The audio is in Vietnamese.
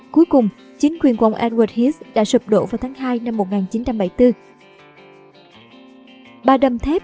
cuối cùng chính quyền của ông andre his đã sụp đổ vào tháng hai năm một nghìn chín trăm bảy mươi bốn